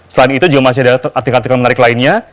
selain itu juga masih ada atik artikel menarik lainnya